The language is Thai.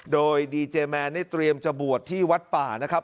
โดยดีเจแมนได้เตรียมจะบวชที่วัดป่านะครับ